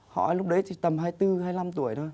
họ lúc đấy thì tầm hai mươi bốn hai mươi năm tuổi thôi